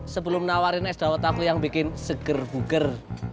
sebelum nawarin es dawet aku yang bikin seger buger